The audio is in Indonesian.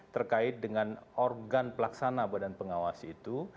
terkait dengan organ pelaksana badan pengawas itu